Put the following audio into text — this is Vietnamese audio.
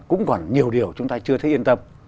cũng còn nhiều điều chúng ta chưa thấy yên tâm